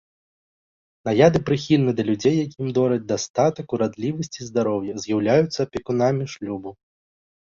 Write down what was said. Наяды прыхільны да людзей, якім дораць дастатак, урадлівасць і здароўе, з'яўляюцца апякункамі шлюбу.